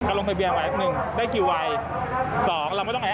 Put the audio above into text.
เมื่อวานเนี่ยเกิดการแบบชนมุนขึ้นคนเบียบแย่งกันเลย